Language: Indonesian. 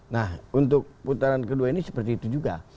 nah untuk putaran kedua ini seperti itu juga